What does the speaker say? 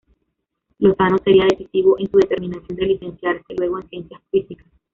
Lozano sería decisivo en su determinación de licenciarse luego en Ciencias Físicas.